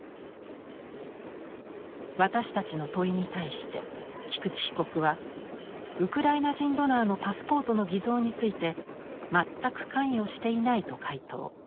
私たちの問いに対して菊池被告はウクライナ人ドナーのパスポートの偽造について全く関与していないと回答。